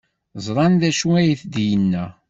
Ẓran d acu ay d-yenna?